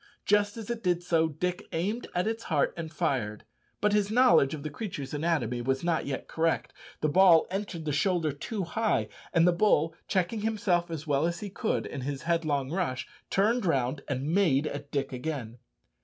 Just as it did so, Dick aimed at its heart and fired, but his knowledge of the creature's anatomy was not yet correct. The ball entered the shoulder too high, and the bull, checking himself as well as he could in his headlong rush, turned round and made at Dick again.